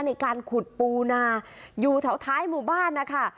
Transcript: ในการขุดปูนาอยู่แถวท้ายหมู่บ้านนะคะ